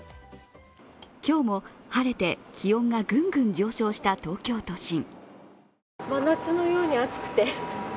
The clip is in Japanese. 今日も晴れて、気温がぐんぐん上昇した東京都心。